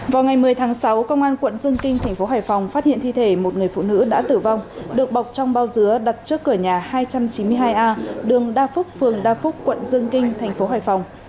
vào ngày một mươi tháng sáu công an quận dương kinh thành phố hải phòng phát hiện thi thể một người phụ nữ đã tử vong được bọc trong bao dứa đặt trước cửa nhà hai trăm chín mươi hai a đường đa phúc phường đa phúc quận dương kinh thành phố hải phòng